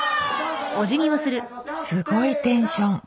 すごいテンション。